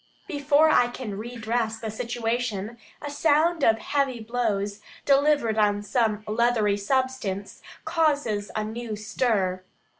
Before I can redress the situation, a sound of heavy blows, delivered on some leathery substance, causes a new stir.